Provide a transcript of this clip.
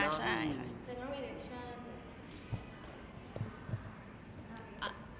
ปรับปริตนาม